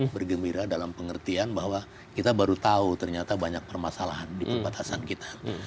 bergembira dalam pengertian bahwa kita baru tahu ternyata banyak permasalahan di perbatasan kita